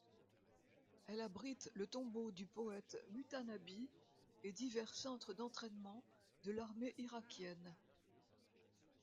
Elle abrite le tombeau du poète Mutanabbi, et divers centres d'entraînement de l'armée irakienne.